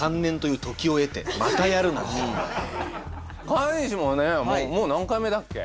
川西もねもう何回目だっけ？